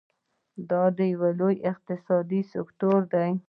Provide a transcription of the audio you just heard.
دا یو لوی اقتصادي سکتور دی.